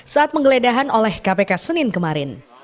saat penggeledahan oleh kpk senin kemarin